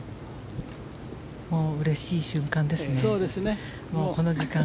うれしい瞬間ですね。